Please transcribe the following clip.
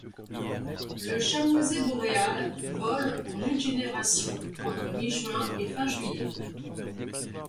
Le Chamoisé boréal vole en une génération entre mi-juin et fin juillet.